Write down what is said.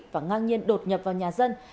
và ngang nhiên đột nhập vào nhà sản